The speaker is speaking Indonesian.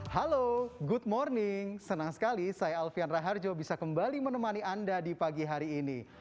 halo good morning senang sekali saya alfian raharjo bisa kembali menemani anda di pagi hari ini